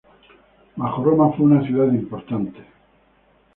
Bajo Roma fue una ciudad importante.